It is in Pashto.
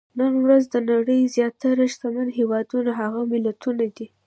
نن ورځ د نړۍ زیاتره شتمن هېوادونه هغه ملتونه دي.